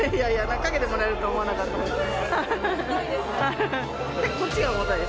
掛けてもらえるとは思わなかったです。